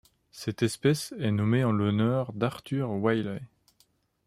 Cette espèce est nommée en l'honneur d'Arthur Willey.